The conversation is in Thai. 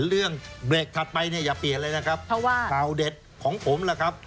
เรื่องเบรกถัดไปเนี่ยอย่าเปลี่ยนเลยนะครับเพราะว่าข่าวเด็ดของผมล่ะครับ